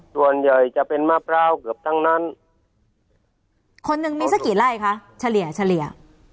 ส่วนใหญ่จะเป็นมะพร้าวเกือบทั้งนั้นคนหนึ่งมีสักกี่ไร่คะเฉลี่ยเฉลี่ย